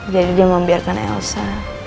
jadi dia membiarkan elsa